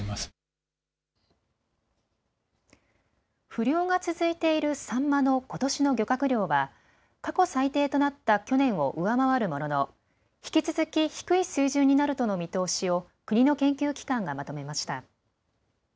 不漁が続いているサンマのことしの漁獲量は過去最低となった去年を上回るものの引き続き低い水準になるとの見通しを国の研究機関がまとめました。